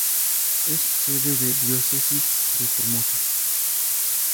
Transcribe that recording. Es sede de la Diócesis de Formosa.